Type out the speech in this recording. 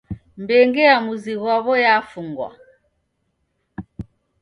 Mbenge ya muzi ghwaw'o yafungwa